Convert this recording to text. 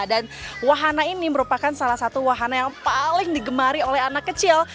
dan wahana ini merupakan salah satu wahana yang paling digemari oleh anak kecil